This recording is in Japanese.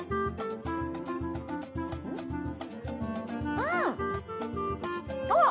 うん！あっ！